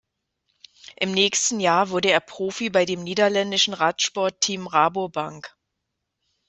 Im nächsten Jahr wurde er Profi bei dem niederländischen Radsportteam Rabobank.